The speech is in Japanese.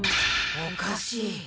おかしい！